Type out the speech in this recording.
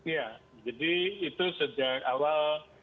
ya jadi itu sejak awal